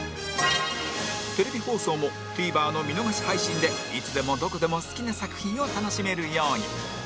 テレビ放送も ＴＶｅｒ の見逃し配信でいつでもどこでも好きな作品を楽しめるように